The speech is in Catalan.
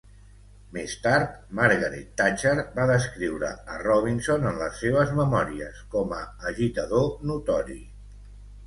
Més tard, Margaret Thatcher va descriure a Robinson en les seves memòries com a "agitador notori".